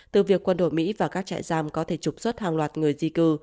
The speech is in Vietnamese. từ việc quân đội mỹ và các trại giam có thể trục xuất hàng loạt người di cư